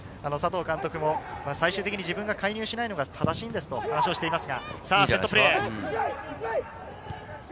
佐藤監督も自分が介入しないのが正しいんですと話していました。